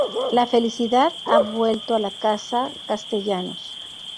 La felicidad ha vuelto a la casa Castellanos.